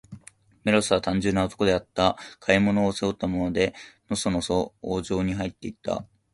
メロスは、単純な男であった。買い物を、背負ったままで、のそのそ王城にはいって行った。